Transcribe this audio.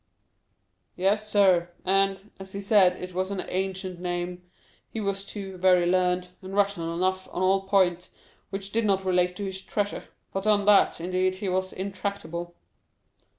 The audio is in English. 0259m "Yes, sir; and, as he said, it was an ancient name. He was, too, very learned, and rational enough on all points which did not relate to his treasure; but on that, indeed, he was intractable."